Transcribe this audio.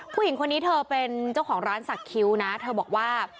ผู้หญิงคนนี้เธอเป็นเจ้าของร้านสักคิ้วนะเธอบอกว่า